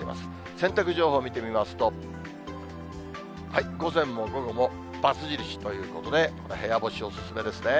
洗濯情報見てみますと、午前も午後もバツ印ということで、この部屋干し、お勧めですね。